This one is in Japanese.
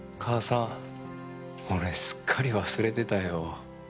俺、すっかり忘れてたよ。